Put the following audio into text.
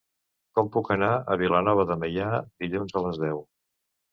Com puc anar a Vilanova de Meià dilluns a les deu?